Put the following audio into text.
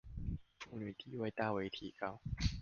婦女地位大為提高